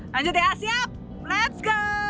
lanjut ya siap let's go